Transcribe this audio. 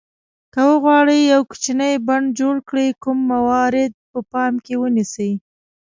که وغواړئ یو کوچنی بڼ جوړ کړئ کوم موارد په پام کې ونیسئ.